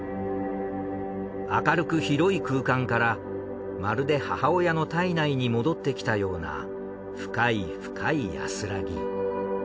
明るく広い空間からまるで母親の胎内に戻ってきたような深い深い安らぎ。